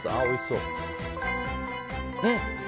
うん！